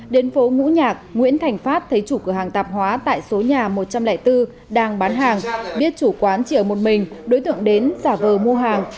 đến phố ngũ nhạc nguyễn thành phát thấy chủ cửa hàng tạp hóa tại số nhà một trăm linh bốn đang bán hàng biết chủ quán chỉ ở một mình đối tượng đến giả vờ mua hàng